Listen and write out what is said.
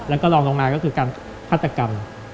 แล้วก็ลองลงมาก็คือการฆาตกรรม